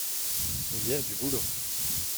il y a du boulot.